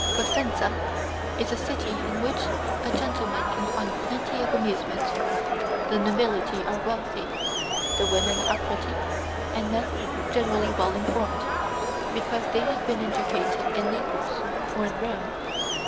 Cosenza is a city in which a gentleman can find plenty of amusement; the nobility are wealthy, the women are pretty, and men generally well informed, because they have been educated in Naples or in Rome.